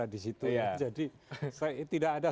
di situ jadi tidak ada